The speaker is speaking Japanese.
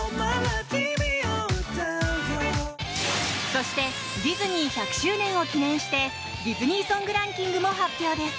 そしてディズニー１００周年を記念してディズニーソングランキングも発表です。